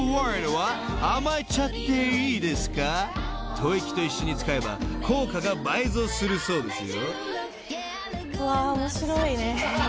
［吐息と一緒に使えば効果が倍増するそうですよ］